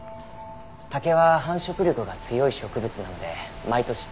竹は繁殖力が強い植物なので毎年次々に生えてきます。